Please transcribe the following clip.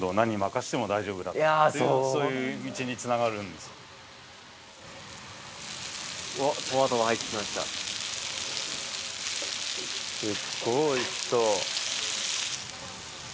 すっごいおいしそう。